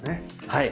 はい。